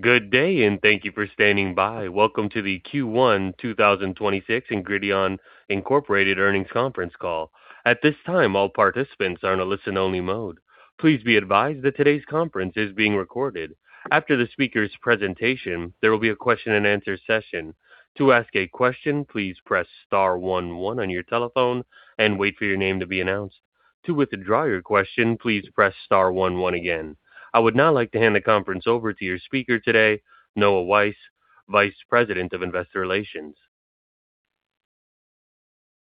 Good day, and thank you for standing by. Welcome to the Q1 2026 Ingredion Incorporated Earnings Conference Call. At this time, all participants are in a listen-only mode. Please be advised that today's conference is being recorded. After the speaker's presentation, there will be a question-and-answer session. To ask a question, please press star one one on your telephone and wait for your name to be announced. To withdraw your question, please press star one one again. I would now like to hand the conference over to your speaker today, Noah Weiss, Vice President of Investor Relations.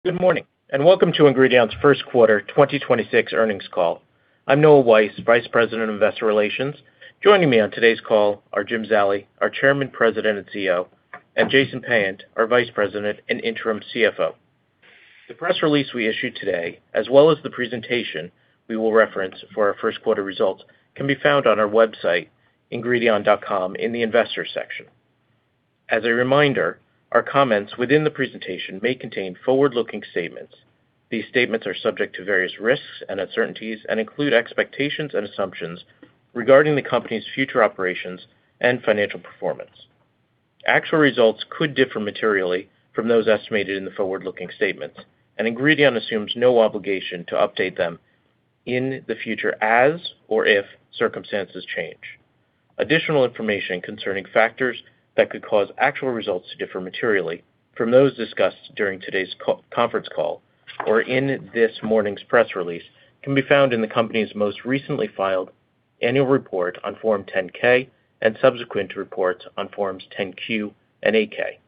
Good morning, and welcome to Ingredion's first quarter 2026 earnings call. I'm Noah Weiss, Vice President of Investor Relations. Joining me on today's call are Jim Zallie, our Chairman, President, and CEO, and Jason Payant, our Vice President and Interim CFO. The press release we issued today, as well as the presentation we will reference for our first quarter results, can be found on our website, ingredion.com in the Investors section. As a reminder, our comments within the presentation may contain forward-looking statements. These statements are subject to various risks and uncertainties and include expectations and assumptions regarding the company's future operations and financial performance. Actual results could differ materially from those estimated in the forward-looking statements, and Ingredion assumes no obligation to update them in the future as or if circumstances change. Additional information concerning factors that could cause actual results to differ materially from those discussed during today's conference call or in this morning's press release can be found in the company's most recently filed annual report on Form 10-K and subsequent reports on Forms 10-Q and 8-K.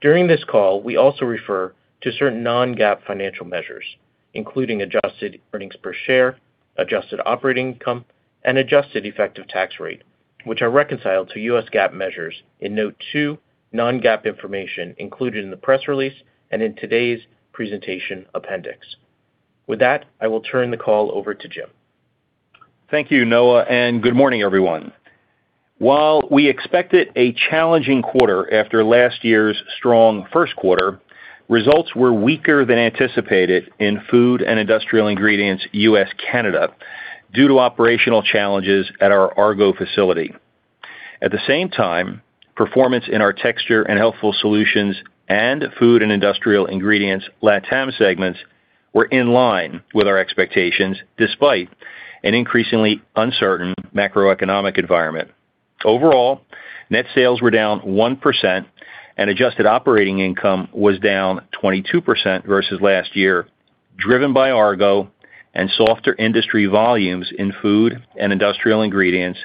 During this call, we also refer to certain non-GAAP financial measures, including adjusted earnings per share, adjusted operating income, and adjusted effective tax rate, which are reconciled to U.S. GAAP measures in note two non-GAAP information included in the press release and in today's presentation appendix. With that, I will turn the call over to Jim. Thank you, Noah, and good morning, everyone. While we expected a challenging quarter after last year's strong first quarter, results were weaker than anticipated in Food & Industrial Ingredients, U.S. Canada, due to operational challenges at our Argo facility. At the same time, performance in our Texture & Healthful Solutions and Food & Industrial Ingredients LATAM segments were in line with our expectations, despite an increasingly uncertain macroeconomic environment. Overall, net sales were down 1% and adjusted operating income was down 22% versus last year, driven by Argo and softer industry volumes in Food & Industrial Ingredients,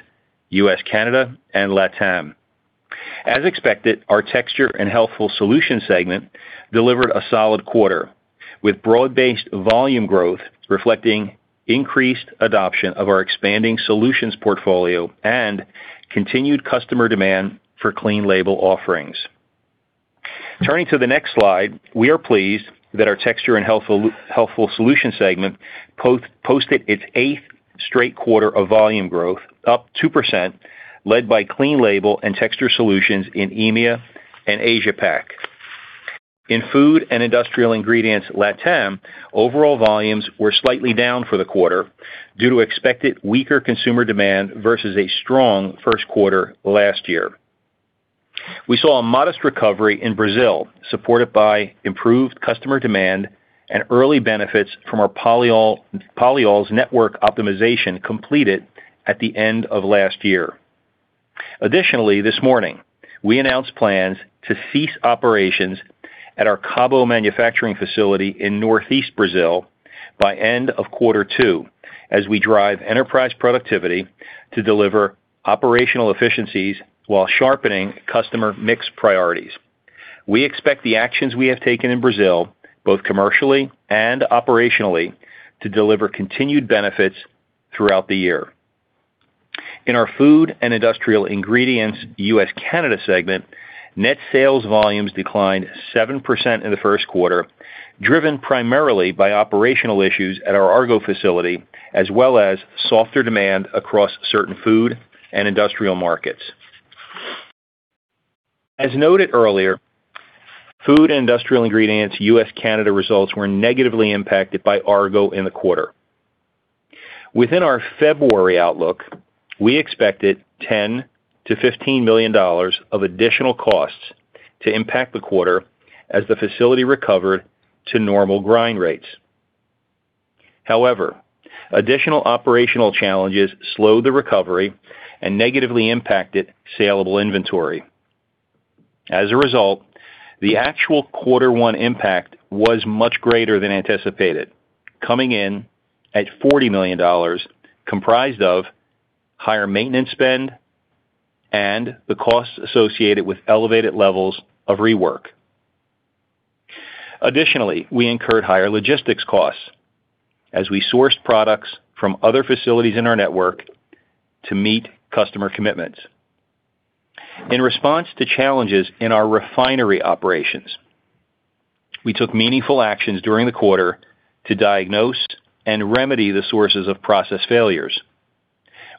U.S. Canada and LATAM. As expected, our Texture & Healthful Solutions segment delivered a solid quarter, with broad-based volume growth reflecting increased adoption of our expanding solutions portfolio and continued customer demand for clean label offerings. Turning to the next slide, we are pleased that our Texture & Healthful Solutions segment posted its eighth straight quarter of volume growth, up 2%, led by clean label and texture solutions in EMEA and Asia Pac. In Food & Industrial Ingredients LATAM, overall volumes were slightly down for the quarter due to expected weaker consumer demand versus a strong first quarter last year. We saw a modest recovery in Brazil, supported by improved customer demand and early benefits from our polyols network optimization completed at the end of last year. Additionally, this morning we announced plans to cease operations at our Cabo manufacturing facility in Northeast Brazil by end of quarter two as we drive enterprise productivity to deliver operational efficiencies while sharpening customer mix priorities. We expect the actions we have taken in Brazil, both commercially and operationally, to deliver continued benefits throughout the year. In our Food & Industrial Ingredients, U.S. Canada segment, net sales volumes declined 7% in the first quarter, driven primarily by operational issues at our Argo facility as well as softer demand across certain food and industrial markets. As noted earlier, Food & Industrial Ingredients U.S. Canada results were negatively impacted by Argo in the quarter. Within our February outlook, we expected $10 million-$15 million of additional costs to impact the quarter as the facility recovered to normal grind rates. However, additional operational challenges slowed the recovery and negatively impacted saleable inventory. As a result, the actual quarter one impact was much greater than anticipated, coming in at $40 million, comprised of higher maintenance spend and the costs associated with elevated levels of rework. Additionally, we incurred higher logistics costs as we sourced products from other facilities in our network to meet customer commitments. In response to challenges in our refinery operations, we took meaningful actions during the quarter to diagnose and remedy the sources of process failures.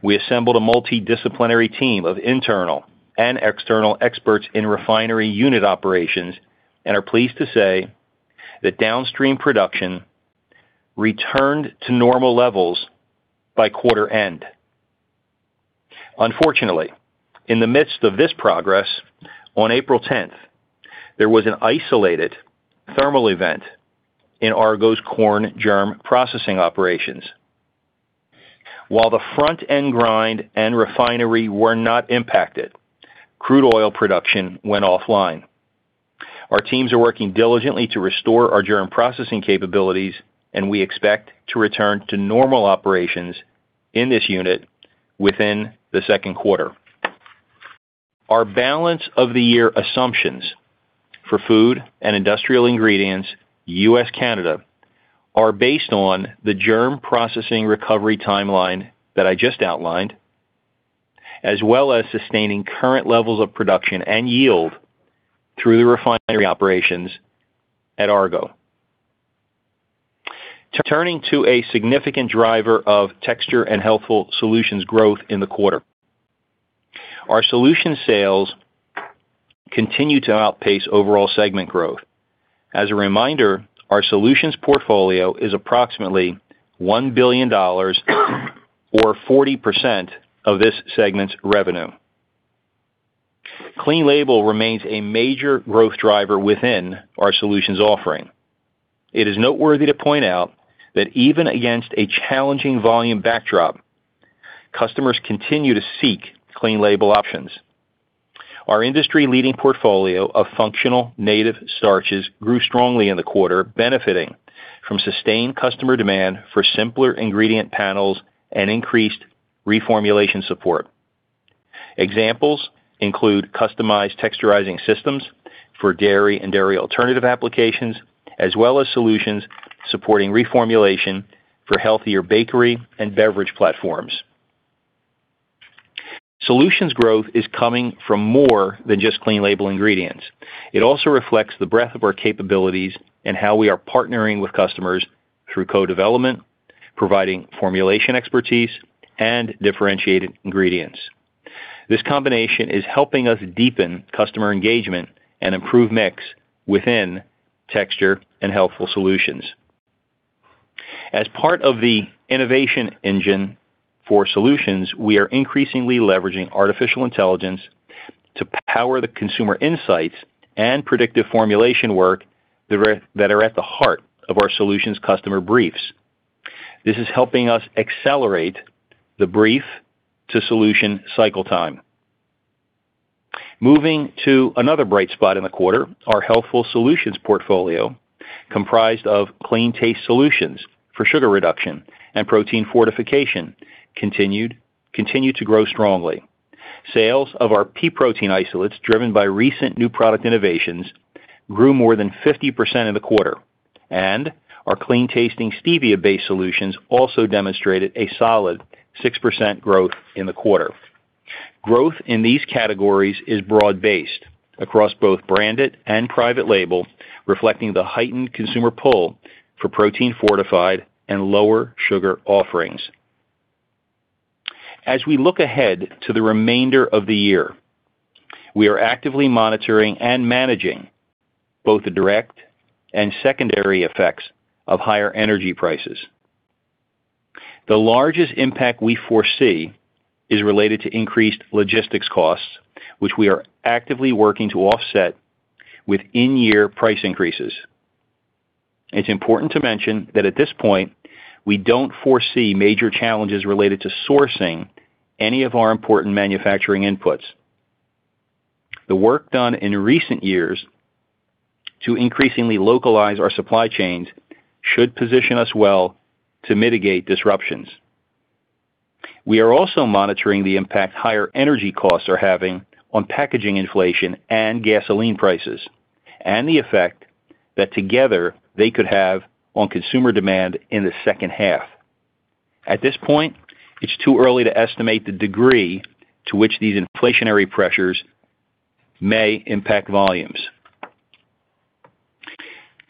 We assembled a multidisciplinary team of internal and external experts in refinery unit operations and are pleased to say that downstream production returned to normal levels by quarter end. Unfortunately, in the midst of this progress, on April 10th, there was an isolated thermal event in Argo's corn germ processing operations. While the front-end grind and refinery were not impacted, crude oil production went offline. Our teams are working diligently to restore our germ processing capabilities, and we expect to return to normal operations in this unit within the second quarter. Our balance of the year assumptions for Food & Industrial Ingredients U.S., Canada, are based on the germ processing recovery timeline that I just outlined, as well as sustaining current levels of production and yield through the refinery operations at Argo. Turning to a significant driver of Texture & Healthful Solutions growth in the quarter. Our solution sales continue to outpace overall segment growth. As a reminder, our solutions portfolio is approximately $1 billion or 40% of this segment's revenue. clean label remains a major growth driver within our solutions offering. It is noteworthy to point out that even against a challenging volume backdrop, customers continue to seek clean label options. Our industry-leading portfolio of functional native starches grew strongly in the quarter, benefiting from sustained customer demand for simpler ingredient panels and increased reformulation support. Examples include customized texturizing systems for dairy and dairy alternative applications, as well as solutions supporting reformulation for healthier bakery and beverage platforms. Solutions growth is coming from more than just clean label ingredients. It also reflects the breadth of our capabilities and how we are partnering with customers through co-development, providing formulation expertise, and differentiated ingredients. This combination is helping us deepen customer engagement and improve mix within Texture & Healthful Solutions. As part of the innovation engine for solutions, we are increasingly leveraging artificial intelligence to power the consumer insights and predictive formulation work that are at the heart of our solutions customer briefs. This is helping us accelerate the brief to solution cycle time. Moving to another bright spot in the quarter, our Healthful Solutions portfolio, comprised of clean taste solutions for sugar reduction and protein fortification continued to grow strongly. Sales of our pea protein isolates driven by recent new product innovations grew more than 50% in the quarter, and our clean-tasting stevia-based solutions also demonstrated a solid 6% growth in the quarter. Growth in these categories is broad-based across both branded and private label, reflecting the heightened consumer pull for protein-fortified and lower sugar offerings. As we look ahead to the remainder of the year, we are actively monitoring and managing both the direct and secondary effects of higher energy prices. The largest impact we foresee is related to increased logistics costs, which we are actively working to offset with in-year price increases. It's important to mention that at this point, we don't foresee major challenges related to sourcing any of our important manufacturing inputs. The work done in recent years to increasingly localize our supply chains should position us well to mitigate disruptions. We are also monitoring the impact higher energy costs are having on packaging inflation and gasoline prices and the effect that together they could have on consumer demand in the second half. At this point, it's too early to estimate the degree to which these inflationary pressures may impact volumes.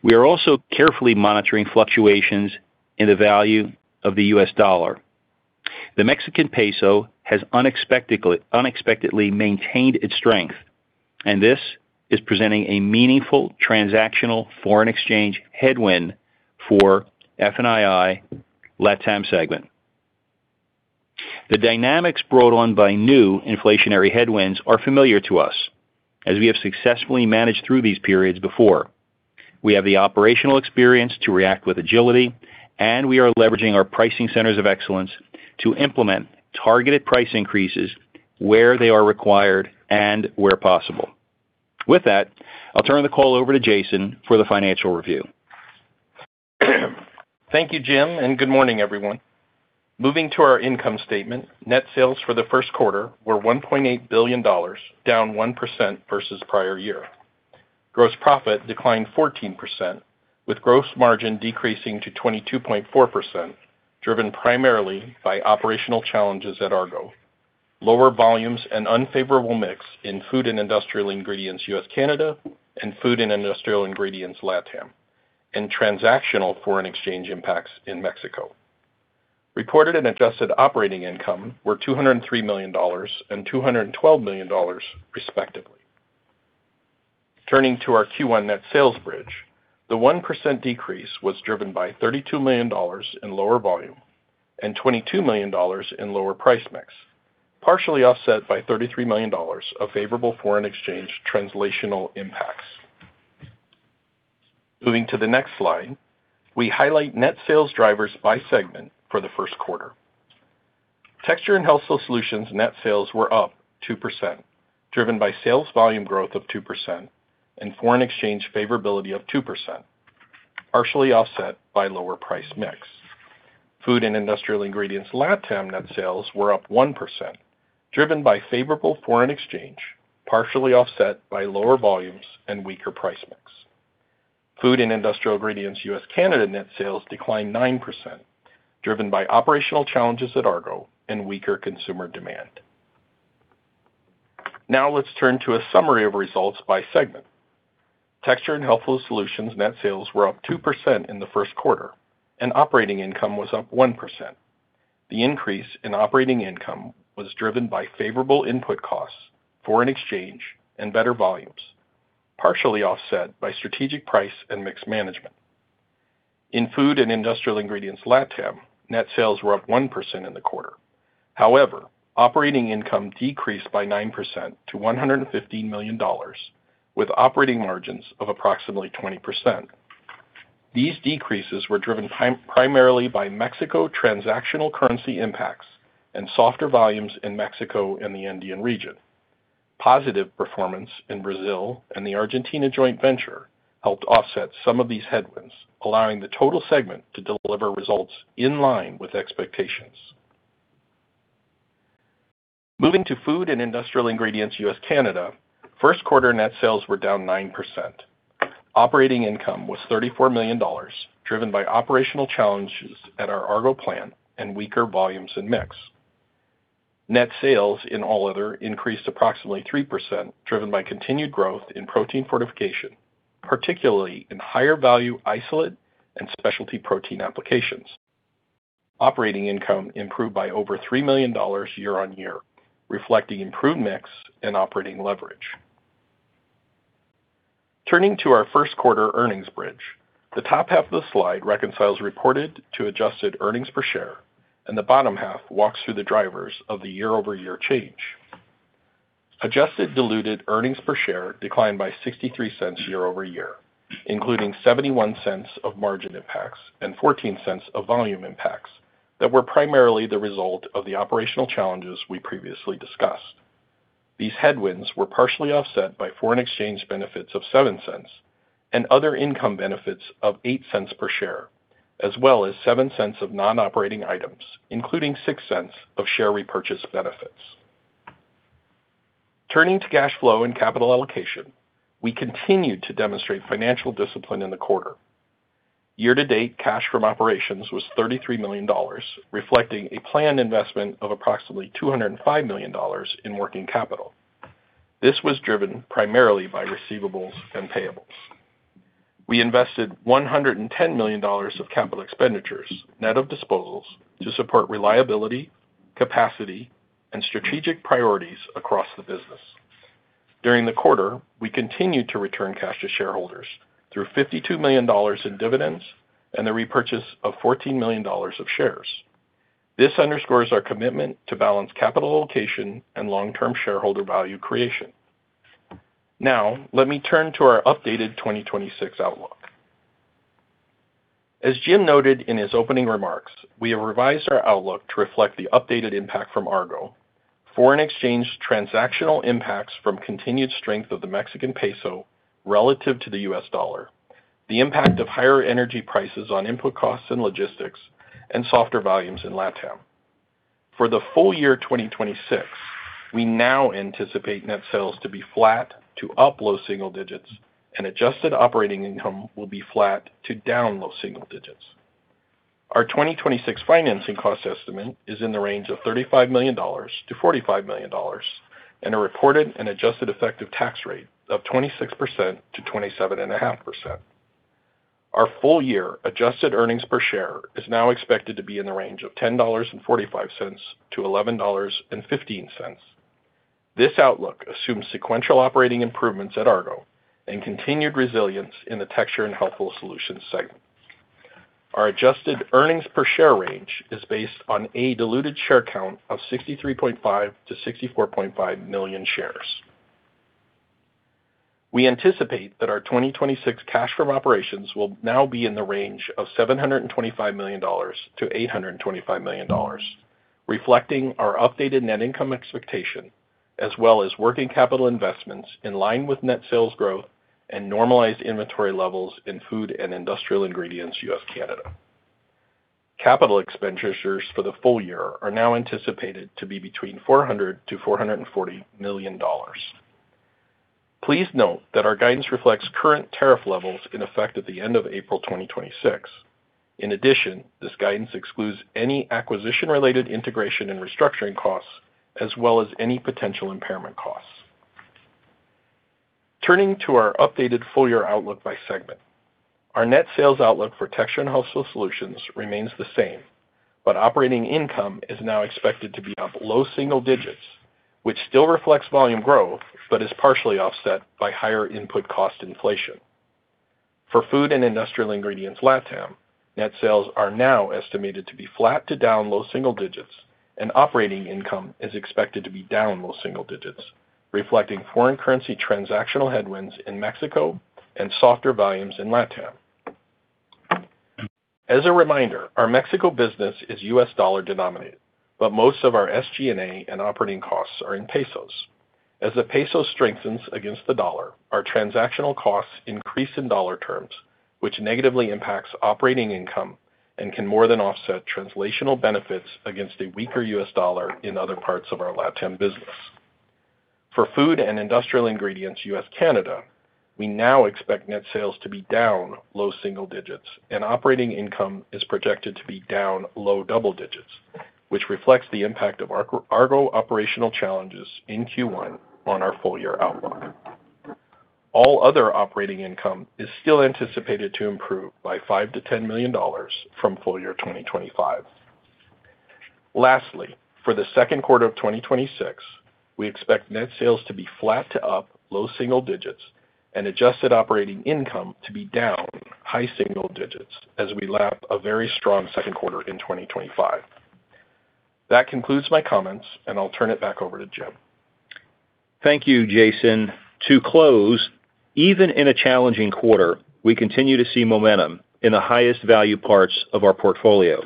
We are also carefully monitoring fluctuations in the value of the U.S. dollar. The Mexican peso has unexpectedly maintained its strength, and this is presenting a meaningful transactional foreign exchange headwind for F&II LATAM segment. The dynamics brought on by new inflationary headwinds are familiar to us as we have successfully managed through these periods before. We have the operational experience to react with agility, and we are leveraging our pricing centers of excellence to implement targeted price increases where they are required and where possible. With that, I'll turn the call over to Jason for the financial review. Thank you, Jim, and good morning, everyone. Moving to our income statement, net sales for the first quarter were $1.8 billion, down 1% versus prior year. Gross profit declined 14%, with gross margin decreasing to 22.4%, driven primarily by operational challenges at Argo, lower volumes and unfavorable mix in Food & Industrial Ingredients U.S., Canada and Food & Industrial Ingredients LATAM, and transactional foreign exchange impacts in Mexico. Reported and adjusted operating income were $203 million and $212 million, respectively. Turning to our Q1 net sales bridge, the 1% decrease was driven by $32 million in lower volume and $22 million in lower price mix, partially offset by $33 million of favorable foreign exchange translational impacts. Moving to the next slide, we highlight net sales drivers by segment for the first quarter. Texture & Healthful Solutions net sales were up 2%, driven by sales volume growth of 2% and foreign exchange favorability of 2%, partially offset by lower price mix. Food & Industrial Ingredients LATAM net sales were up 1%, driven by favorable foreign exchange, partially offset by lower volumes and weaker price mix. Food & Industrial Ingredients U.S. Canada net sales declined 9%, driven by operational challenges at Argo and weaker consumer demand. Let's turn to a summary of results by segment. Texture & Healthful Solutions net sales were up 2% in the first quarter and operating income was up 1%. The increase in operating income was driven by favorable input costs, foreign exchange and better volumes, partially offset by strategic price and mix management. In Food & Industrial Ingredients LATAM, net sales were up 1% in the quarter. Operating income decreased by 9% to $150 million with operating margins of approximately 20%. These decreases were driven primarily by Mexico transactional currency impacts and softer volumes in Mexico and the Andean region. Positive performance in Brazil and the Argentina joint venture helped offset some of these headwinds, allowing the total segment to deliver results in line with expectations. Moving to Food & Industrial Ingredients U.S. Canada, first quarter net sales were down 9%. Operating income was $34 million, driven by operational challenges at our Argo plant and weaker volumes and mix. Net sales in All Other increased approximately 3%, driven by continued growth in protein fortification, particularly in higher value isolate and specialty protein applications. Operating income improved by over $3 million year-on-year, reflecting improved mix and operating leverage. Turning to our first quarter earnings bridge, the top half of the slide reconciles reported to adjusted earnings per share, and the bottom half walks through the drivers of the year-over-year change. Adjusted diluted earnings per share declined by $0.63 year-over-year, including $0.71 of margin impacts and $0.14 of volume impacts that were primarily the result of the operational challenges we previously discussed. These headwinds were partially offset by foreign exchange benefits of $0.07 and other income benefits of $0.08 per share, as well as $0.07 of non-operating items, including $0.06 of share repurchase benefits. Turning to cash flow and capital allocation, we continued to demonstrate financial discipline in the quarter. Year-to-date cash from operations was $33 million, reflecting a planned investment of approximately $205 million in working capital. This was driven primarily by receivables and payables. We invested $110 million of capital expenditures, net of disposals, to support reliability, capacity, and strategic priorities across the business. During the quarter, we continued to return cash to shareholders through $52 million in dividends and the repurchase of $14 million of shares. This underscores our commitment to balance capital allocation and long-term shareholder value creation. Now let me turn to our updated 2026 outlook. As Jim noted in his opening remarks, we have revised our outlook to reflect the updated impact from Argo, foreign exchange transactional impacts from continued strength of the Mexican peso relative to the U.S. dollar, the impact of higher energy prices on input costs and logistics, and softer volumes in LATAM. For the full year 2026, we now anticipate net sales to be flat to up low single digits and adjusted operating income will be flat to down low single digits. Our 2026 financing cost estimate is in the range of $35 million-$45 million and a reported and adjusted effective tax rate of 26%-27.5%. Our full year adjusted earnings per share is now expected to be in the range of $10.45-$11.15. This outlook assumes sequential operating improvements at Argo and continued resilience in the Texture & Healthful Solutions segment. Our adjusted earnings per share range is based on a diluted share count of 63.5 million to 64.5 million shares. We anticipate that our 2026 cash from operations will now be in the range of $725 million-$825 million, reflecting our updated net income expectation as well as working capital investments in line with net sales growth and normalized inventory levels in Food & Industrial Ingredients U.S. Canada. Capital expenditures for the full year are now anticipated to be between $400 million-$440 million. Please note that our guidance reflects current tariff levels in effect at the end of April 2026. In addition, this guidance excludes any acquisition-related integration and restructuring costs as well as any potential impairment costs. Turning to our updated full year outlook by segment. Our net sales outlook for Texture & Healthful Solutions remains the same, but operating income is now expected to be up low single digits, which still reflects volume growth, but is partially offset by higher input cost inflation. For Food & Industrial Ingredients LATAM, net sales are now estimated to be flat to down low single digits, and operating income is expected to be down low single digits, reflecting foreign currency transactional headwinds in Mexico and softer volumes in LATAM. As a reminder, our Mexico business is U.S. dollar denominated, but most of our SG&A and operating costs are in pesos. As the peso strengthens against the dollar, our transactional costs increase in dollar terms, which negatively impacts operating income and can more than offset translational benefits against a weaker U.S. dollar in other parts of our LATAM business. For Food & Industrial Ingredients U.S. Canada, we now expect net sales to be down low single digits and operating income is projected to be down low double digits, which reflects the impact of our Argo operational challenges in Q1 on our full year outlook. All Other operating income is still anticipated to improve by $5 million-$10 million from full year 2025. Lastly, for the second quarter of 2026, we expect net sales to be flat to up low single digits and adjusted operating income to be down high single digits as we lap a very strong second quarter in 2025. That concludes my comments, and I'll turn it back over to Jim. Thank you, Jason. To close, even in a challenging quarter, we continue to see momentum in the highest value parts of our portfolio,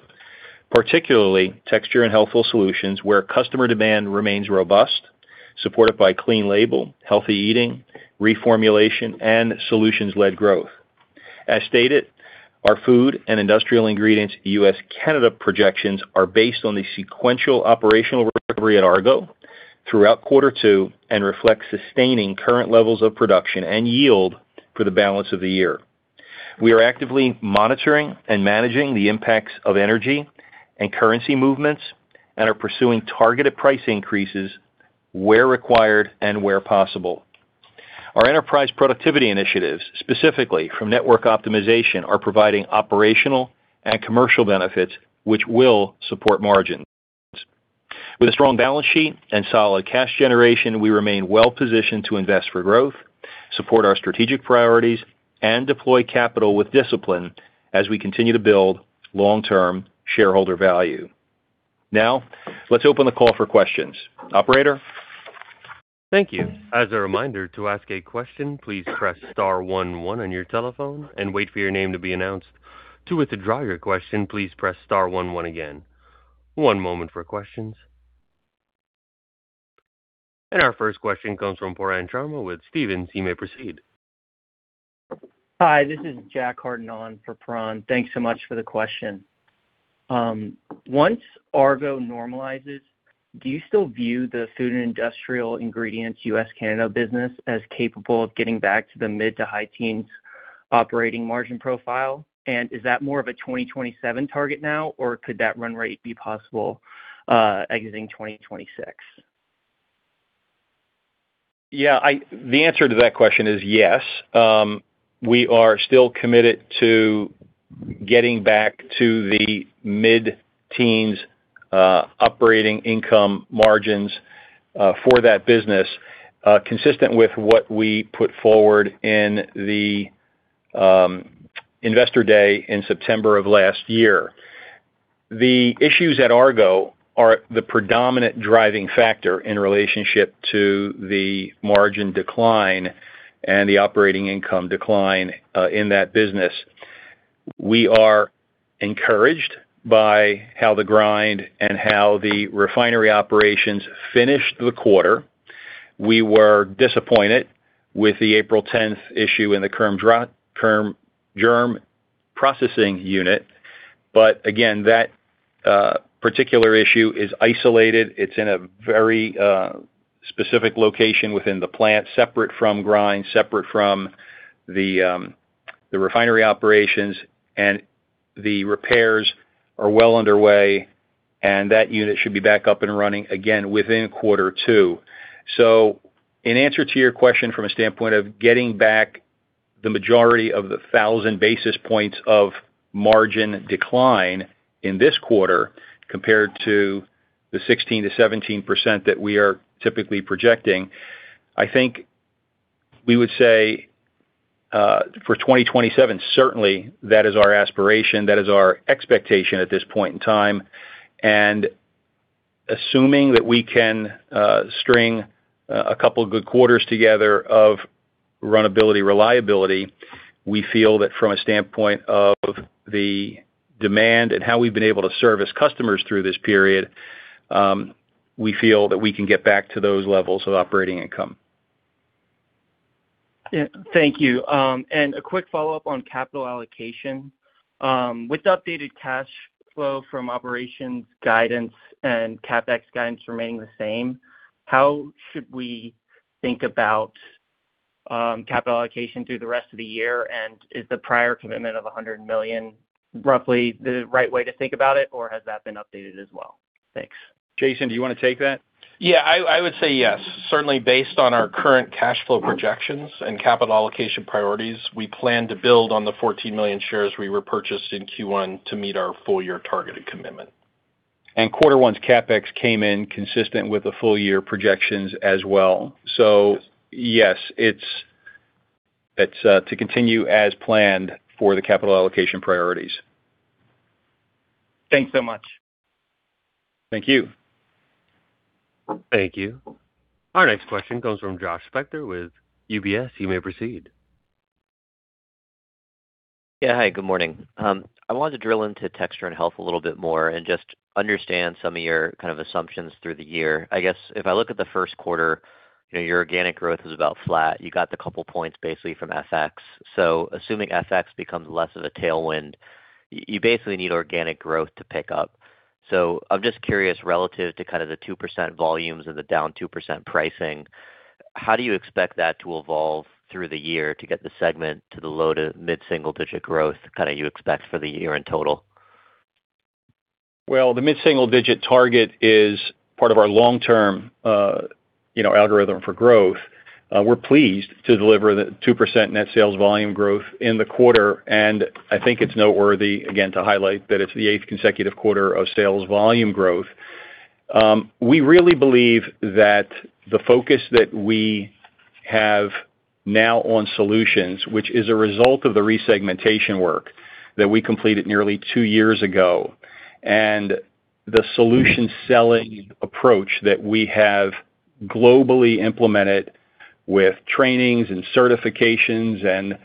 particularly Texture & Healthful Solutions, where customer demand remains robust, supported by clean label, healthy eating, reformulation, and solutions-led growth. As stated, our Food & Industrial Ingredients U.S. Canada projections are based on the sequential operational recovery at Argo throughout quarter two and reflect sustaining current levels of production and yield for the balance of the year. We are actively monitoring and managing the impacts of energy and currency movements and are pursuing targeted price increases where required and where possible. Our enterprise productivity initiatives, specifically from network optimization, are providing operational and commercial benefits which will support margins. With a strong balance sheet and solid cash generation, we remain well positioned to invest for growth, support our strategic priorities, and deploy capital with discipline as we continue to build long-term shareholder value. Let's open the call for questions. Operator? Thank you. As a reminder, to ask a question, please press star one one on your telephone and wait for your name to be announced. To withdraw your question, please press star one one again. One moment for questions. Our first question comes from Pooran Sharma with Stephens. You may proceed. Hi, this is Jack Hardin for Pooran. Thanks so much for the question. Once Argo normalizes, do you still view the Food & Industrial Ingredients U.S. Canada business as capable of getting back to the mid-to-high teens operating margin profile? Is that more of a 2027 target now, or could that run rate be possible exiting 2026? The answer to that question is yes. We are still committed to getting back to the mid-teens, operating income margins, for that business, consistent with what we put forward in the investor day in September of last year. The issues at Argo are the predominant driving factor in relationship to the margin decline and the operating income decline in that business. We are encouraged by how the grind and how the refinery operations finished the quarter. We were disappointed with the April 10th issue in the germ processing unit. Again, that particular issue is isolated. It's in a very specific location within the plant, separate from grind, separate from the refinery operations, and the repairs are well underway, and that unit should be back up and running again within quarter two. In answer to your question from a standpoint of getting back the majority of the 1,000 basis points of margin decline in this quarter compared to the 16%-17% that we are typically projecting, I think we would say for 2027, certainly that is our aspiration, that is our expectation at this point in time. Assuming that we can string a couple of good quarters together of runnability, reliability, we feel that from a standpoint of the demand and how we've been able to service customers through this period, we feel that we can get back to those levels of operating income. Yeah. Thank you. A quick follow-up on capital allocation. With updated cash flow from operations guidance and CapEx guidance remaining the same, how should we think about capital allocation through the rest of the year? Is the prior commitment of $100 million roughly the right way to think about it, or has that been updated as well? Thanks. Jason, do you want to take that? I would say yes. Certainly based on our current cash flow projections and capital allocation priorities, we plan to build on the 14 million shares we repurchased in Q1 to meet our full-year targeted commitment. Quarter one's CapEx came in consistent with the full-year projections as well. Yes, it's to continue as planned for the capital allocation priorities. Thanks so much. Thank you. Thank you. Our next question comes from Josh Spector with UBS. You may proceed. Hi, good morning. I wanted to drill into Texture & Health a little bit more and just understand some of your kind of assumptions through the year. I guess if I look at the first quarter, you know, your organic growth was about flat. You got the couple points basically from FX. Assuming FX becomes less of a tailwind, you basically need organic growth to pick up. I'm just curious, relative to kind of the 2% volumes or the down 2% pricing, how do you expect that to evolve through the year to get the segment to the low- to mid-single-digit growth kinda you expect for the year in total? The mid-single digit target is part of our long-term, you know, algorithm for growth. We're pleased to deliver the 2% net sales volume growth in the quarter, and I think it's noteworthy again to highlight that it's the eighth consecutive quarter of sales volume growth. We really believe that the focus that we have now on solutions, which is a result of the resegmentation work that we completed nearly two years ago, and the solution selling approach that we have globally implemented with trainings and certifications and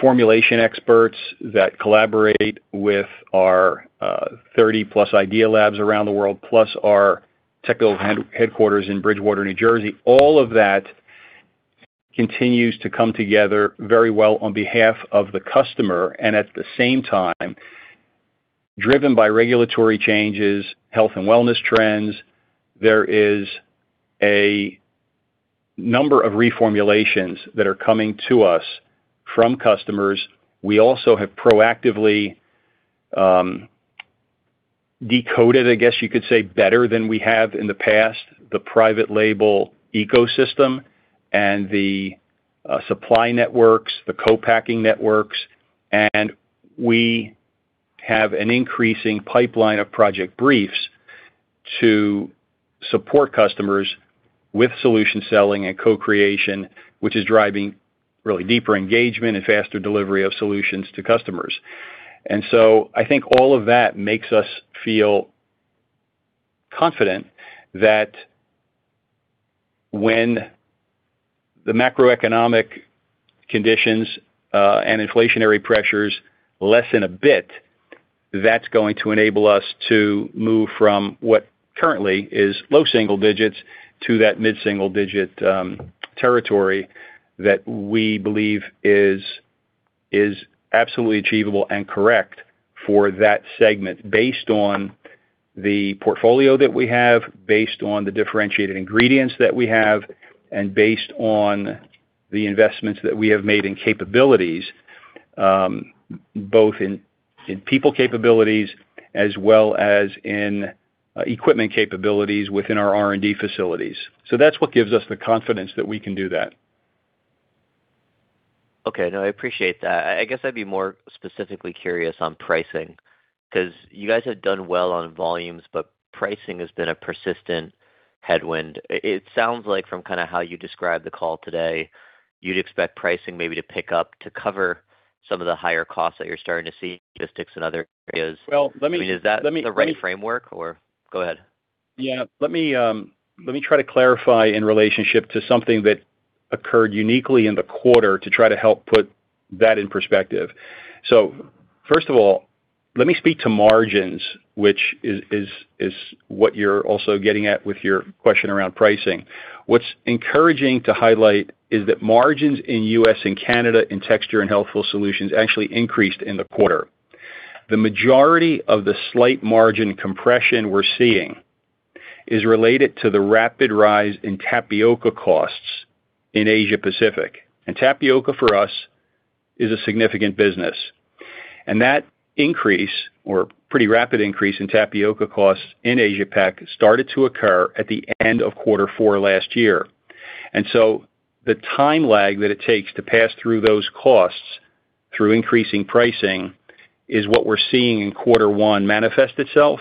formulation experts that collaborate with our 30+ Idea Labs around the world, plus our technical headquarters in Bridgewater, New Jersey, all of that continues to come together very well on behalf of the customer. At the same time, driven by regulatory changes, health and wellness trends, there is a number of reformulations that are coming to us from customers. We also have proactively decoded, I guess you could say, better than we have in the past, the private label ecosystem and the supply networks, the co-packing networks, and we have an increasing pipeline of project briefs to support customers with solution selling and co-creation, which is driving really deeper engagement and faster delivery of solutions to customers. I think all of that makes us feel confident that when the macroeconomic conditions and inflationary pressures lessen a bit, that's going to enable us to move from what currently is low single digits to that mid-single digit territory that we believe is absolutely achievable and correct for that segment based on the portfolio that we have, based on the differentiated ingredients that we have, and based on the investments that we have made in capabilities, both in people capabilities as well as in equipment capabilities within our R&D facilities. That's what gives us the confidence that we can do that. Okay. No, I appreciate that. I guess I'd be more specifically curious on pricing, because you guys have done well on volumes. Pricing has been a persistent headwind. It sounds like from kind of how you described the call today, you'd expect pricing maybe to pick up to cover some of the higher costs that you're starting to see, logistics and other areas. Well, let me- I mean, is that the right framework or go ahead? Yeah. Let me, let me try to clarify in relationship to something that occurred uniquely in the quarter to try to help put that in perspective. First of all, let me speak to margins, which is what you're also getting at with your question around pricing. What's encouraging to highlight is that margins in U.S. and Canada in Texture & Healthful Solutions actually increased in the quarter. The majority of the slight margin compression we're seeing is related to the rapid rise in tapioca costs in Asia Pacific. Tapioca for us is a significant business. That increase or pretty rapid increase in tapioca costs in Asia Pac started to occur at the end of quarter four last year. The time lag that it takes to pass through those costs through increasing pricing is what we're seeing in quarter one manifest itself.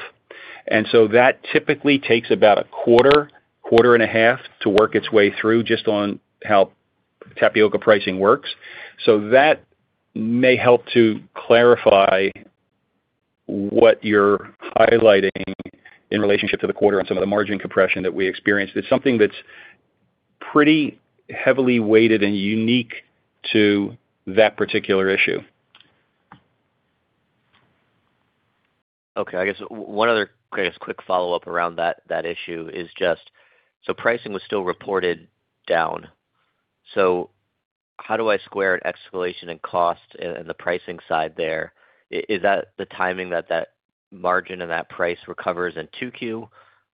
That typically takes about a quarter and a half to work its way through just on how tapioca pricing works. That may help to clarify what you're highlighting in relationship to the quarter on some of the margin compression that we experienced. It's something that's pretty heavily weighted and unique to that particular issue. Okay. I guess one other quick follow-up around that issue is just, pricing was still reported down. How do I square an escalation in cost in the pricing side there? Is that the timing that margin and that price recovers in 2Q?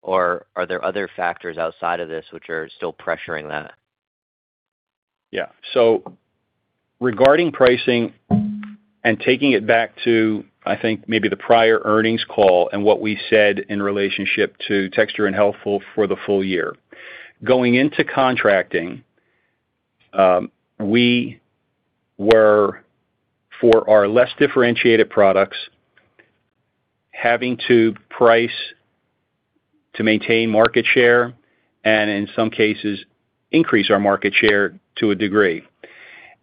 Are there other factors outside of this which are still pressuring that? Regarding pricing and taking it back to, I think, maybe the prior earnings call and what we said in relationship to Texture & Healthful for the full year. Going into contracting, we were, for our less differentiated products, having to price to maintain market share and in some cases increase our market share to a degree.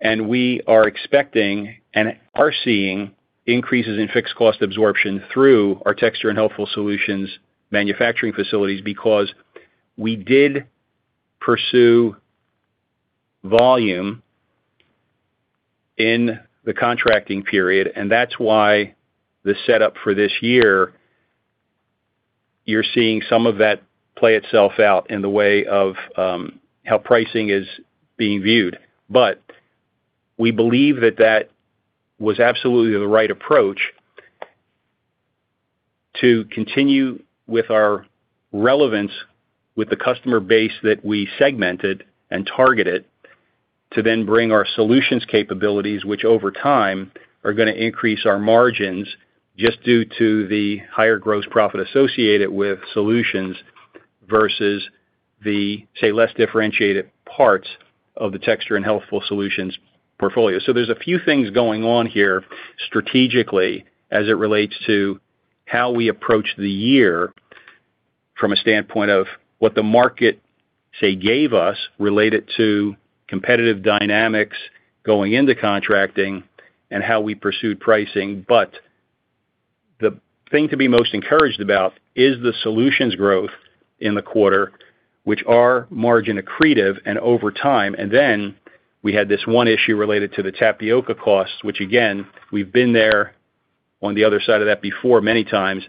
We are expecting and are seeing increases in fixed cost absorption through our Texture & Healthful Solutions manufacturing facilities because we did pursue volume in the contracting period, and that's why the setup for this year, you're seeing some of that play itself out in the way of how pricing is being viewed. We believe that that was absolutely the right approach to continue with our relevance with the customer base that we segmented and targeted to then bring our solutions capabilities, which over time are gonna increase our margins just due to the higher gross profit associated with solutions versus the, say, less differentiated parts of the Texture & Healthful Solutions portfolio. There's a few things going on here strategically as it relates to how we approach the year from a standpoint of what the market, say, gave us related to competitive dynamics going into contracting and how we pursued pricing. The thing to be most encouraged about is the solutions growth in the quarter, which are margin accretive and over time. We had this one issue related to the tapioca costs, which again, we've been there on the other side of that before many times,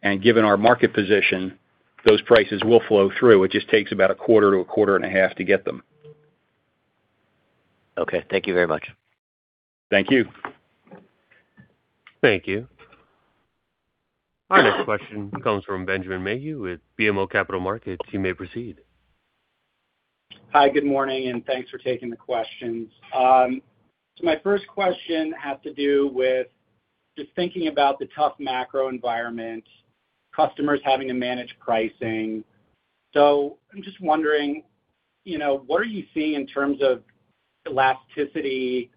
and given our market position, those prices will flow through. It just takes about a quarter to a quarter and a half to get them. Okay. Thank you very much. Thank you. Thank you. Our next question comes from Benjamin Mayhew with BMO Capital Markets. You may proceed. Hi. Good morning, and thanks for taking the questions. My first question has to do with just thinking about the tough macro environment, customers having to manage pricing. I'm just wondering, you know, what are you seeing in terms of elasticity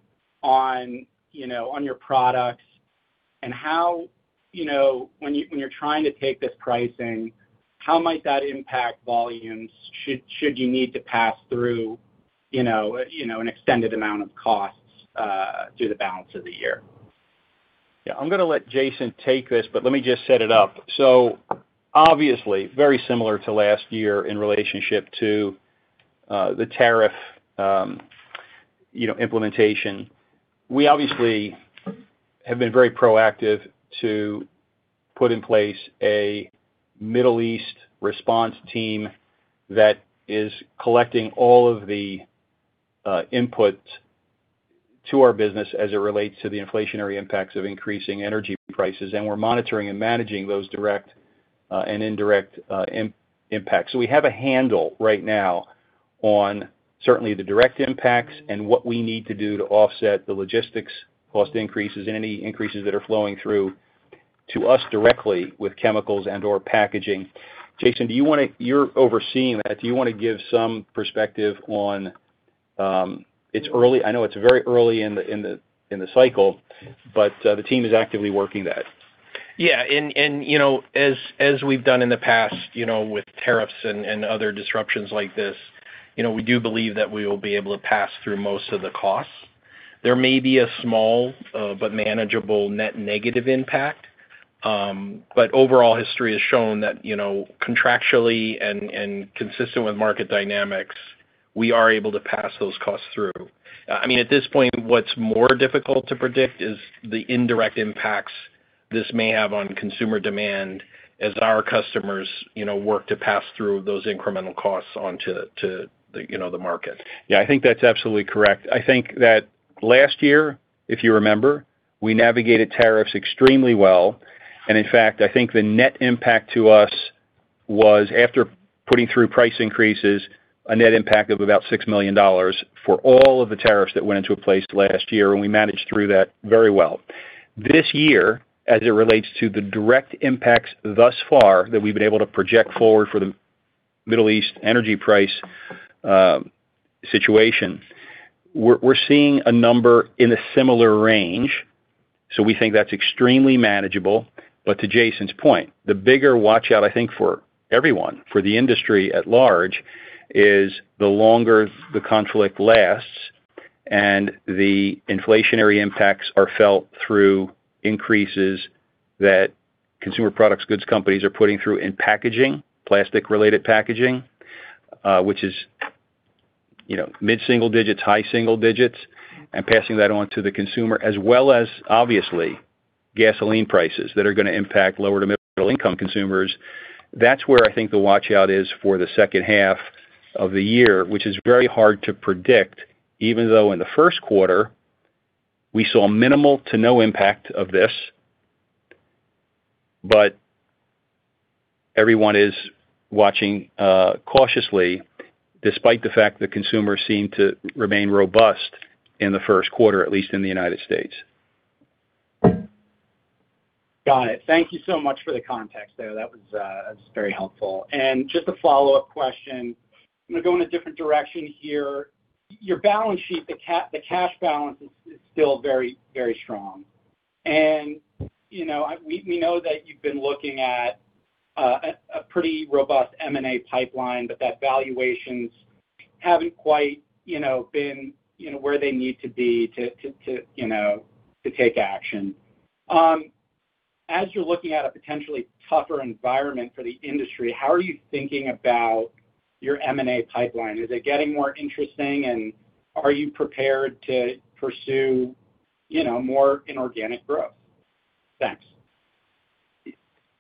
on, you know, on your products? How, you know, when you, when you're trying to take this pricing, how might that impact volumes should you need to pass through, you know, an extended amount of costs through the balance of the year? Yeah. I'm gonna let Jason take this, but let me just set it up. Obviously, very similar to last year in relationship to, you know, the tariff implementation. We obviously have been very proactive to put in place a Middle East response team that is collecting all of the input to our business as it relates to the inflationary impacts of increasing energy prices, and we're monitoring and managing those direct and indirect impact. We have a handle right now on certainly the direct impacts and what we need to do to offset the logistics cost increases and any increases that are flowing through to us directly with chemicals and/or packaging. Jason, You're overseeing that. Do you wanna give some perspective on? It's early, I know it's very early in the cycle, but the team is actively working that. Yeah. You know, as we've done in the past, you know, with tariffs and other disruptions like this, you know, we do believe that we will be able to pass through most of the costs. There may be a small, but manageable net negative impact. Overall history has shown that, you know, contractually and consistent with market dynamics, we are able to pass those costs through. I mean, at this point, what's more difficult to predict is the indirect impacts this may have on consumer demand as our customers, you know, work to pass through those incremental costs onto, you know, the market. Yeah. I think that's absolutely correct. I think that last year, if you remember, we navigated tariffs extremely well, and in fact, I think the net impact to us was after putting through price increases, a net impact of about $6 million for all of the tariffs that went into place last year, and we managed through that very well. This year, as it relates to the direct impacts thus far that we've been able to project forward for the Middle East energy price situation, we're seeing a number in a similar range, so we think that's extremely manageable. To Jason's point, the bigger watch-out, I think, for everyone, for the industry at large, is the longer the conflict lasts and the inflationary impacts are felt through increases that consumer products goods companies are putting through in packaging, plastic-related packaging, which is, you know, mid-single digits, high single digits, and passing that on to the consumer, as well as, obviously, gasoline prices that are gonna impact lower to middle income consumers. That's where I think the watch-out is for the second half of the year, which is very hard to predict, even though in the first quarter we saw minimal to no impact of this. Everyone is watching cautiously, despite the fact that consumers seem to remain robust in the first quarter, at least in the United States. Got it. Thank you so much for the context there. That was very helpful. Just a follow-up question. I'm gonna go in a different direction here. Your balance sheet, the cash balance is still very, very strong. You know, we know that you've been looking at a pretty robust M&A pipeline, but that valuations haven't quite, you know, been where they need to be to take action. As you're looking at a potentially tougher environment for the industry, how are you thinking about your M&A pipeline? Is it getting more interesting, and are you prepared to pursue, you know, more inorganic growth? Thanks.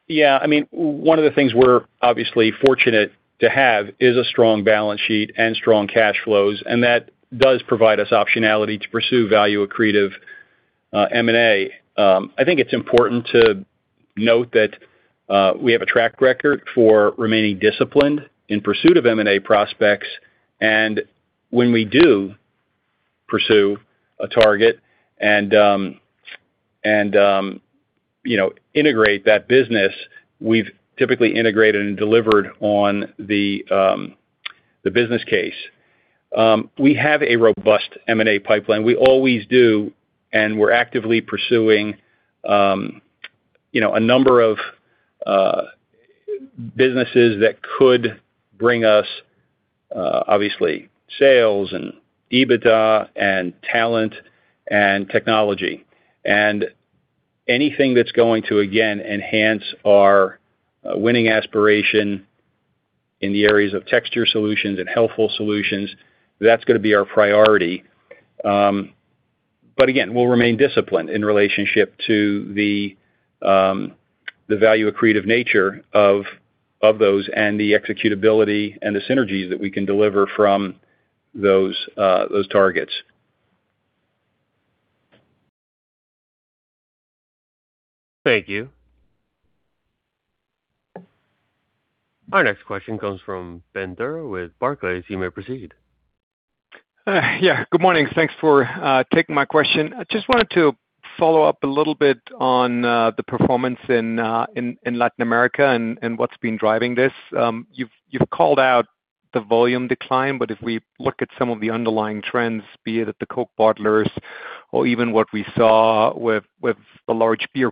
Yeah, I mean, one of the things we're obviously fortunate to have is a strong balance sheet and strong cash flows, that does provide us optionality to pursue value accretive M&A. I think it's important to note that we have a track record for remaining disciplined in pursuit of M&A prospects. When we do pursue a target and, you know, integrate that business, we've typically integrated and delivered on the business case. We have a robust M&A pipeline. We always do, we're actively pursuing, you know, a number of businesses that could bring us obviously sales and EBITDA and talent and technology. Anything that's going to, again, enhance our winning aspiration in the areas of Texture Solutions and Healthful Solutions, that's gonna be our priority. Again, we'll remain disciplined in relationship to the value accretive nature of those and the executability and the synergies that we can deliver from those targets. Thank you. Our next question comes from Ben Theurer with Barclays. You may proceed. Yeah. Good morning. Thanks for taking my question. I just wanted to follow up a little bit on the performance in Latin America and what's been driving this. You've called out the volume decline, but if we look at some of the underlying trends, be it at the Coca-Cola bottlers or even what we saw with the large beer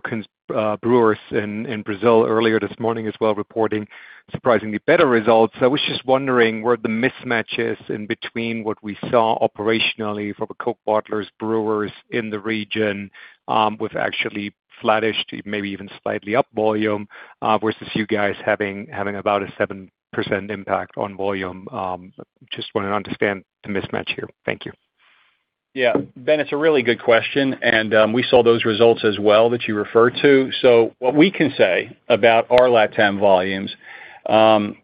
brewers in Brazil earlier this morning as well, reporting surprisingly better results. I was just wondering where the mismatch is in between what we saw operationally from the Coca-Cola bottlers, brewers in the region, with actually flattish to maybe even slightly up volume, versus you guys having about a 7% impact on volume. Just wanna understand the mismatch here. Thank you. Yeah. Ben, it's a really good question. We saw those results as well that you referred to. What we can say about our LATAM volumes,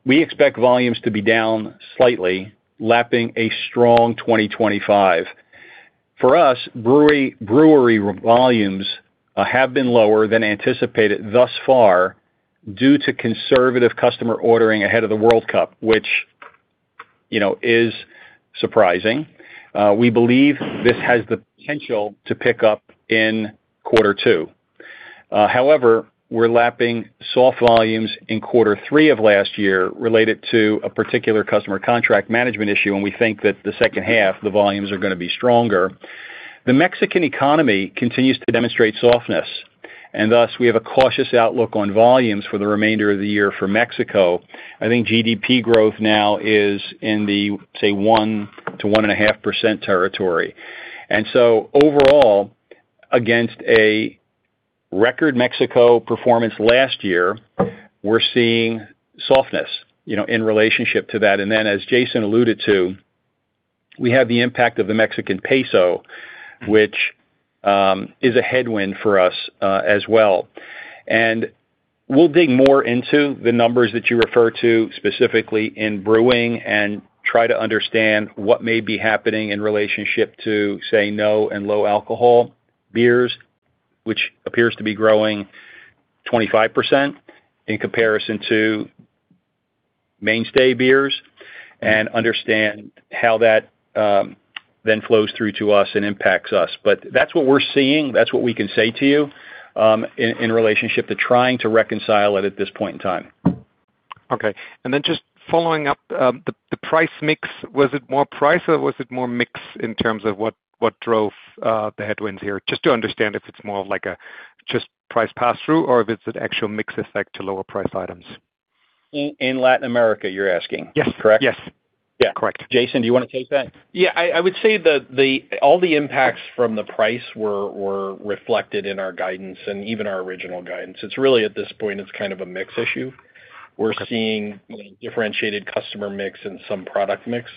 we expect volumes to be down slightly, lapping a strong 2025. For us, brewery volumes have been lower than anticipated thus far due to conservative customer ordering ahead of the World Cup, which, you know, is surprising. We believe this has the potential to pick up in quarter two. However, we're lapping soft volumes in quarter three of last year related to a particular customer contract management issue. We think that the second half, the volumes are gonna be stronger. The Mexican economy continues to demonstrate softness. Thus we have a cautious outlook on volumes for the remainder of the year for Mexico. I think GDP growth now is in the 1%-1.5% territory. Overall, against a record Mexico performance last year, we're seeing softness in relationship to that. As Jason alluded to, we have the impact of the Mexican peso, which is a headwind for us as well. We'll dig more into the numbers that you refer to specifically in brewing and try to understand what may be happening in relationship to no and low alcohol beers, which appears to be growing 25% in comparison to mainstay beers, and understand how that then flows through to us and impacts us. That's what we're seeing. That's what we can say to you in relationship to trying to reconcile it at this point in time. Okay. Just following up, the price mix, was it more price or was it more mix in terms of what drove the headwinds here? Just to understand if it's more of like a just price pass-through or if it's an actual mix effect to lower price items. In Latin America, you're asking? Yes. Correct? Yes. Yeah. Correct. Jason, do you wanna take that? Yeah, I would say that all the impacts from the price were reflected in our guidance and even our original guidance. It's really, at this point, it's kind of a mix issue. Okay. We're seeing differentiated customer mix and some product mix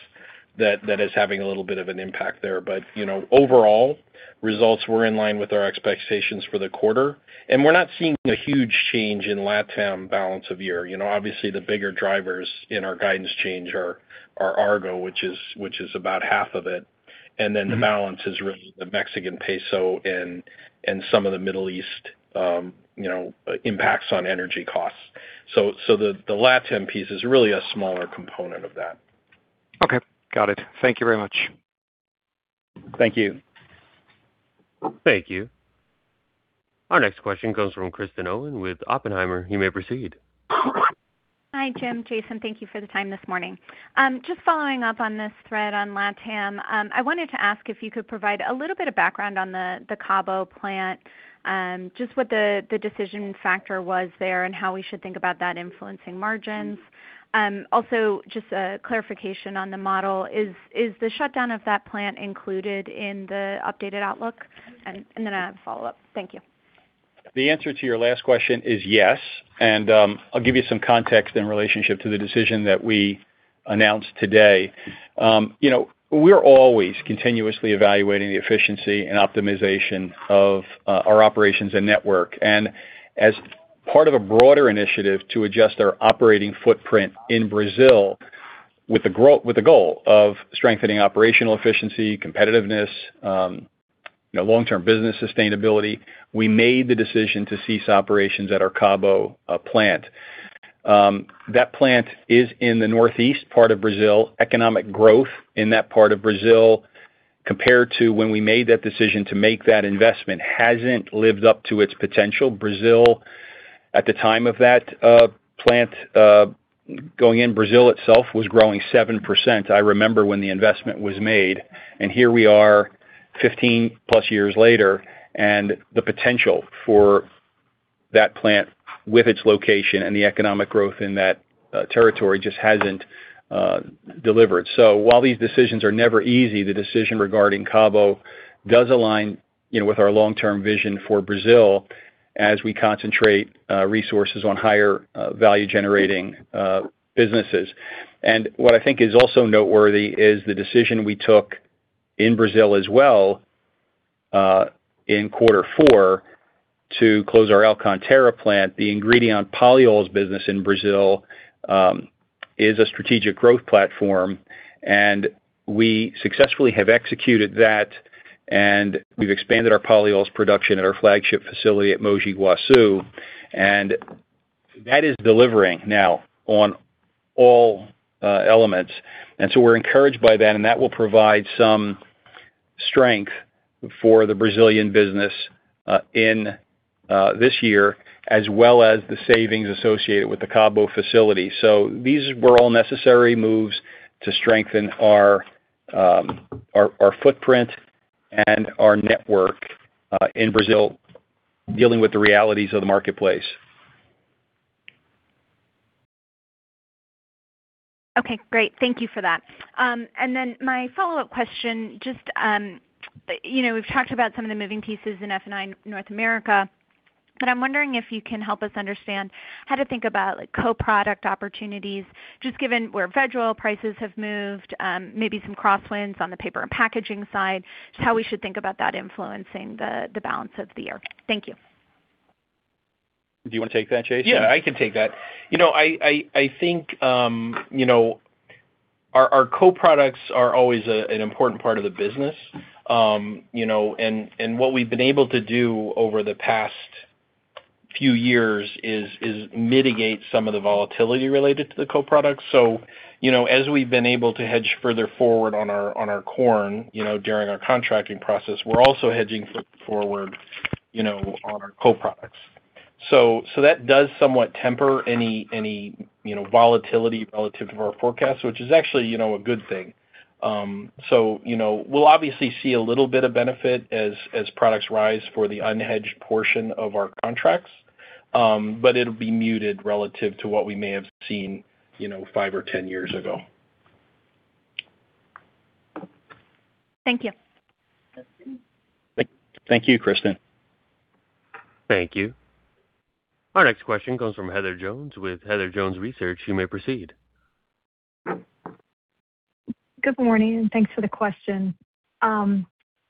that is having a little bit of an impact there. You know, overall, results were in line with our expectations for the quarter. We're not seeing a huge change in LATAM balance of year. You know, obviously, the bigger drivers in our guidance change are Argo, which is about half of it. The balance is really the Mexican peso and some of the Middle East, you know, impacts on energy costs. The LATAM piece is really a smaller component of that. Okay, got it. Thank you very much. Thank you. Thank you. Our next question comes from Kristen Owen with Oppenheimer. You may proceed. Hi, Jim, Jason, thank you for the time this morning. Just following up on this thread on LATAM. I wanted to ask if you could provide a little bit of background on the Cabo plant, just what the decision factor was there and how we should think about that influencing margins. Also just a clarification on the model. Is the shutdown of that plant included in the updated outlook? I have a follow-up. Thank you. The answer to your last question is yes. I'll give you some context in relationship to the decision that we announced today. You know, we're always continuously evaluating the efficiency and optimization of our operations and network. As part of a broader initiative to adjust our operating footprint in Brazil with the goal of strengthening operational efficiency, competitiveness, you know, long-term business sustainability, we made the decision to cease operations at our Cabo plant. That plant is in the northeast part of Brazil. Economic growth in that part of Brazil, compared to when we made that decision to make that investment, hasn't lived up to its potential. Brazil, at the time of that plant going in, Brazil itself was growing 7%. I remember when the investment was made, here we are, 15+ years later, the potential for that plant with its location and the economic growth in that territory just hasn't delivered. While these decisions are never easy, the decision regarding Cabo does align, you know, with our long-term vision for Brazil as we concentrate resources on higher value-generating businesses. What I think is also noteworthy is the decision we took in Brazil as well in quarter four to close our Alcântara plant. The Ingredion polyols business in Brazil is a strategic growth platform, we successfully have executed that, we've expanded our polyols production at our flagship facility at Mogi Guaçu, that is delivering now on all elements. We're encouraged by that, and that will provide some strength for the Brazilian business in this year, as well as the savings associated with the Cabo facility. These were all necessary moves to strengthen our footprint and our network in Brazil, dealing with the realities of the marketplace. Okay, great. Thank you for that. My follow-up question, just, you know, we've talked about some of the moving pieces in F&II North America, but I'm wondering if you can help us understand how to think about like co-product opportunities, just given where veg oil prices have moved, maybe some crosswinds on the paper and packaging side, just how we should think about that influencing the balance of the year. Thank you. Do you wanna take that, Jason? Yeah, I can take that. You know, I think, you know, our co-products are always an important part of the business. You know, and what we've been able to do over the past few years is mitigate some of the volatility related to the co-products. You know, as we've been able to hedge further forward on our corn, you know, during our contracting process, we're also hedging forward, you know, on our co-products. That does somewhat temper any, you know, volatility relative to our forecast, which is actually, you know, a good thing. You know, we'll obviously see a little bit of benefit as products rise for the unhedged portion of our contracts, but it'll be muted relative to what we may have seen, you know, five or 10 years ago. Thank you. Thank you, Kristen. Thank you. Our next question comes from Heather Jones with Heather Jones Research. You may proceed. Good morning. Thanks for the question. I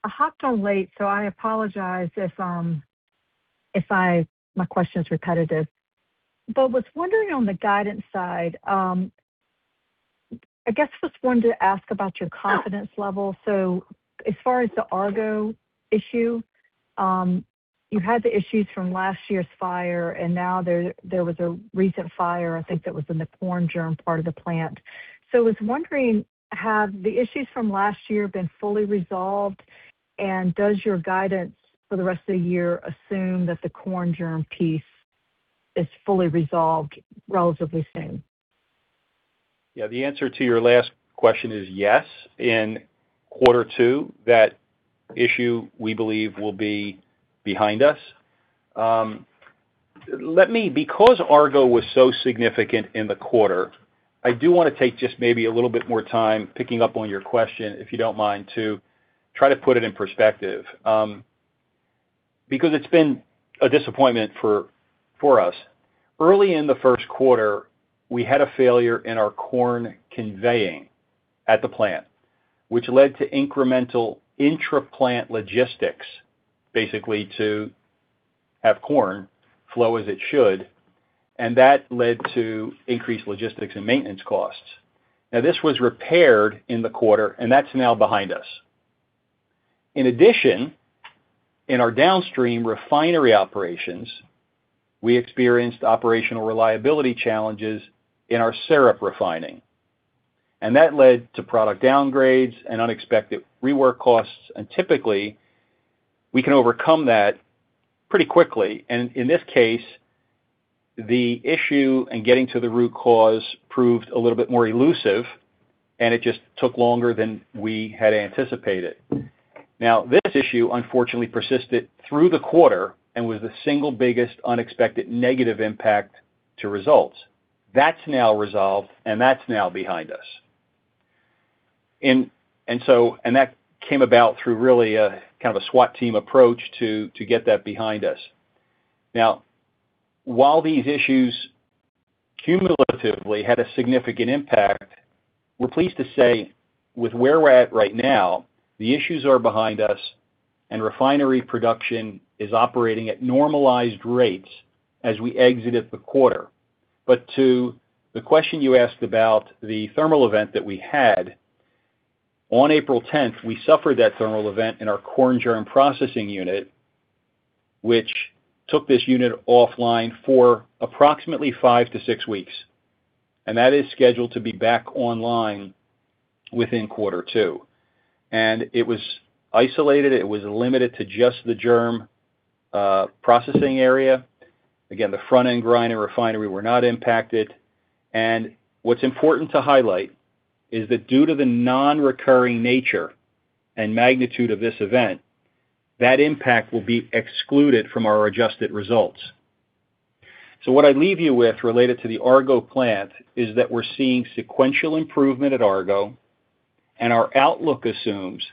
hopped on late, so I apologize if my question's repetitive. Was wondering on the guidance side, I guess just wanted to ask about your confidence level. As far as the Argo issue, you had the issues from last year's fire, and now there was a recent fire, I think that was in the corn germ part of the plant. I was wondering, have the issues from last year been fully resolved, and does your guidance for the rest of the year assume that the corn germ piece is fully resolved relatively soon? Yeah, the answer to your last question is yes. In quarter two, that issue, we believe, will be behind us. Because Argo was so significant in the quarter, I do wanna take just maybe a little bit more time picking up on your question, if you don't mind, to try to put it in perspective, because it's been a disappointment for us. Early in the first quarter, we had a failure in our corn conveying at the plant, which led to incremental intraplant logistics, basically to have corn flow as it should, and that led to increased logistics and maintenance costs. Now this was repaired in the quarter, and that's now behind us. In addition, in our downstream refinery operations, we experienced operational reliability challenges in our syrup refining, and that led to product downgrades and unexpected rework costs. Typically, we can overcome that pretty quickly. In this case, the issue and getting to the root cause proved a little bit more elusive, and it just took longer than we had anticipated. This issue unfortunately persisted through the quarter and was the single biggest unexpected negative impact to results. That's now resolved, and that's now behind us. That came about through really a kind of a SWAT team approach to get that behind us. While these issues cumulatively had a significant impact, we're pleased to say with where we're at right now, the issues are behind us and refinery production is operating at normalized rates as we exited the quarter. To the question you asked about the thermal event that we had, on April 10th, we suffered that thermal event in our corn germ processing unit, which took this unit offline for approximately five to six weeks, and that is scheduled to be back online within quarter two. It was isolated. It was limited to just the germ processing area. Again, the front-end grind and refinery were not impacted. What's important to highlight is that due to the non-recurring nature and magnitude of this event, that impact will be excluded from our adjusted results. What I leave you with related to the Argo plant is that we're seeing sequential improvement at Argo, and our outlook assumes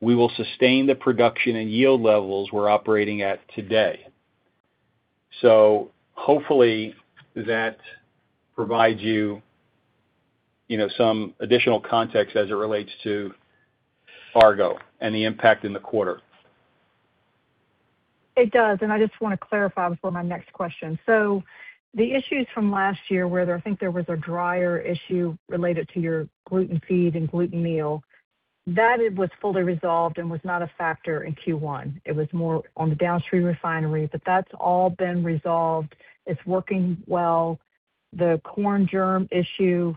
we will sustain the production and yield levels we're operating at today. Hopefully that provides you know, some additional context as it relates to Argo and the impact in the quarter. It does. I just want to clarify before my next question. The issues from last year, I think there was a dryer issue related to your gluten feed and gluten meal, that it was fully resolved and was not a factor in Q1. It was more on the downstream refinery, but that's all been resolved. It's working well. The corn germ issue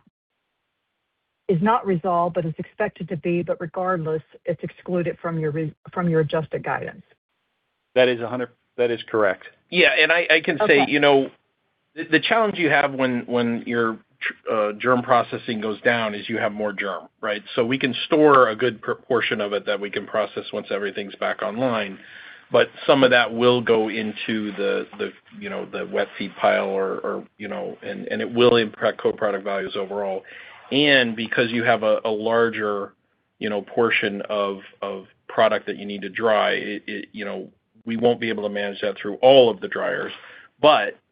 is not resolved, but it's expected to be. Regardless, it's excluded from your adjusted guidance. That is correct. Yeah. I can say. Okay. You know, the challenge you have when your germ processing goes down is you have more germ, right? We can store a good proportion of it that we can process once everything's back online. Some of that will go into the, you know, the wet seed pile or, you know, and it will impact co-product values overall. Because you have a larger, you know, portion of product that you need to dry, it, you know, we won't be able to manage that through all of the dryers.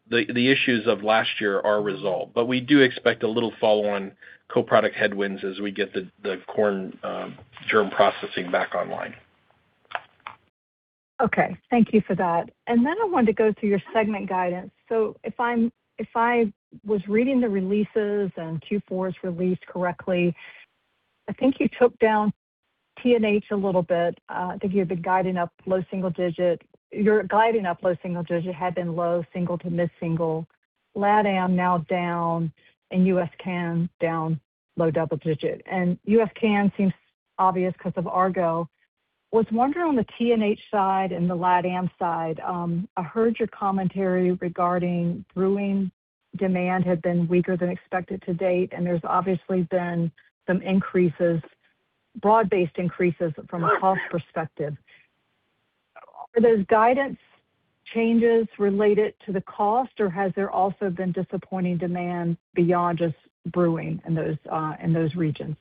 The issues of last year are resolved. We do expect a little follow-on co-product headwinds as we get the corn germ processing back online. Okay. Thank you for that. I wanted to go through your segment guidance. If I was reading the releases and Q4's released correctly, I think you took down T&H a little bit. I think you had been guiding up low single digit. You're guiding up low single digit, had been low single to mid-single. LATAM now down and U.S./CAN down low double digit. U.S./CAN seems obvious 'cause of Argo. Was wondering on the T&H side and the LATAM side, I heard your commentary regarding brewing demand had been weaker than expected to date, and there's obviously been some increases, broad-based increases from a cost perspective. Are those guidance changes related to the cost, or has there also been disappointing demand beyond just brewing in those in those regions?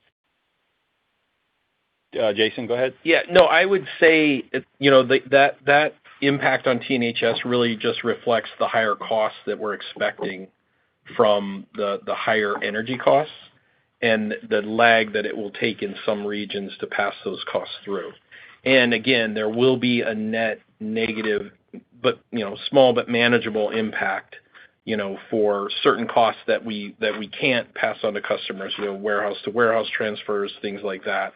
Jason, go ahead. Yeah. No, I would say, you know, that impact on T&HS really just reflects the higher costs that we're expecting from the higher energy costs and the lag that it will take in some regions to pass those costs through. Again, there will be a net negative but, you know, small but manageable impact, you know, for certain costs that we can't pass on to customers, you know, warehouse to warehouse transfers, things like that.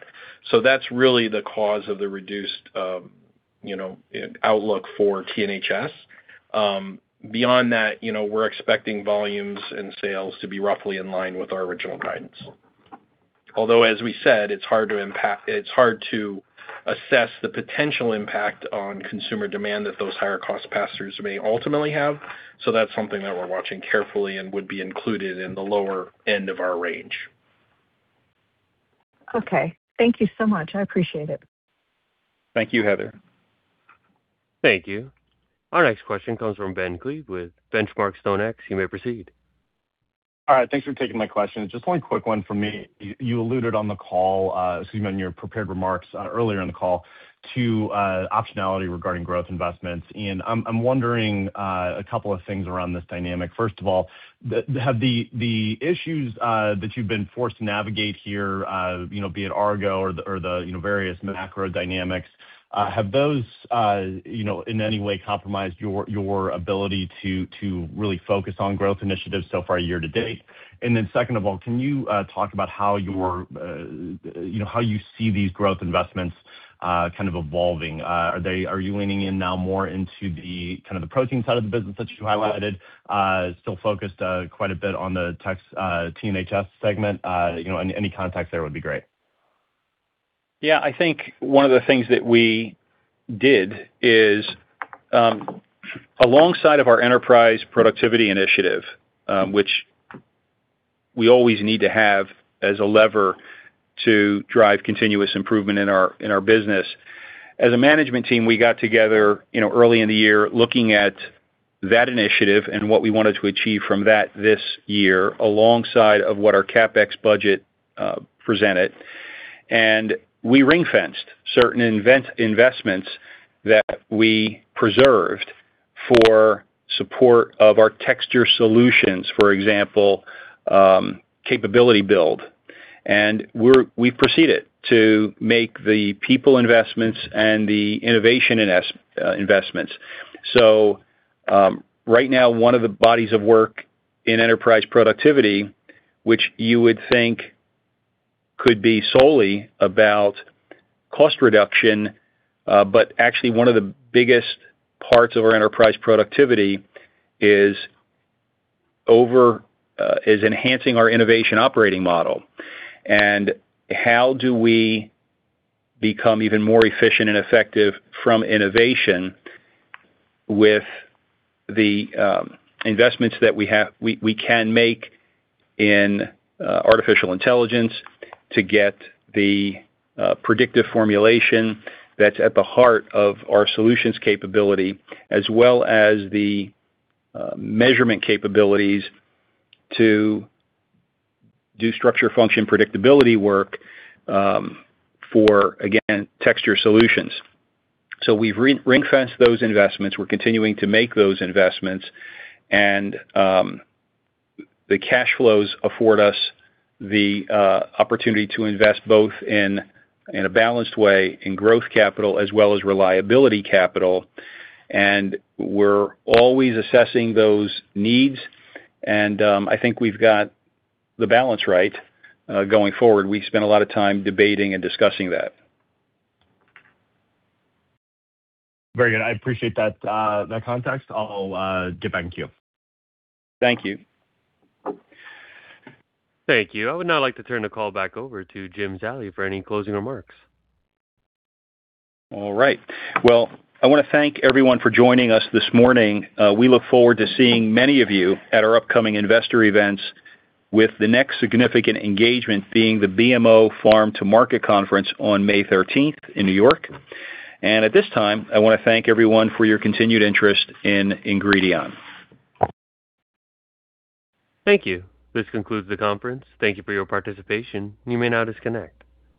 That's really the cause of the reduced, you know, outlook for T&HS. Beyond that, you know, we're expecting volumes and sales to be roughly in line with our original guidance. Although as we said, it's hard to assess the potential impact on consumer demand that those higher cost pass-throughs may ultimately have. That's something that we're watching carefully and would be included in the lower end of our range. Okay. Thank you so much. I appreciate it. Thank you, Heather. Thank you. Our next question comes from Ben Klieve with Benchmark StoneX. You may proceed. All right. Thanks for taking my question. Just one quick one from me. You alluded on the call, excuse me, in your prepared remarks, earlier in the call to optionality regarding growth investments. I'm wondering a couple of things around this dynamic. First of all, the issues that you've been forced to navigate here, you know, be it Argo or the various macro dynamics, have those, you know, in any way compromised your ability to really focus on growth initiatives so far year to date? Second of all, can you talk about how you see these growth investments kind of evolving? Are you leaning in now more into the kind of the protein side of the business that you highlighted, still focused quite a bit on the T&HS segment? You know, any context there would be great. Yeah. I think one of the things that we did is alongside of our Enterprise Productivity Initiative, which we always need to have as a lever to drive continuous improvement in our, in our business. As a management team, we got together, you know, early in the year looking at that initiative and what we wanted to achieve from that this year alongside of what our CapEx budget presented. We ring-fenced certain investments that we preserved for support of our texture solutions, for example, capability build. We proceeded to make the people investments and the innovation investments. Right now, one of the bodies of work in enterprise productivity, which you would think could be solely about cost reduction, but actually one of the biggest parts of our enterprise productivity is enhancing our innovation operating model. How do we become even more efficient and effective from innovation with the investments that we can make in artificial intelligence to get the predictive formulation that's at the heart of our solutions capability as well as the measurement capabilities to do structure function predictability work for, again, texture solutions. We've re-ring-fenced those investments. We're continuing to make those investments. The cash flows afford us the opportunity to invest both in a balanced way in growth capital as well as reliability capital, and we're always assessing those needs. I think we've got the balance right going forward. We spent a lot of time debating and discussing that. Very good. I appreciate that context. I'll get back to you. Thank you. Thank you. I would now like to turn the call back over to Jim Zallie for any closing remarks. All right. Well, I want to thank everyone for joining us this morning. We look forward to seeing many of you at our upcoming investor events with the next significant engagement being the BMO Farm to Market Conference on May 13th in New York. At this time, I want to thank everyone for your continued interest in Ingredion. Thank you. This concludes the conference. Thank you for your participation. You may now disconnect.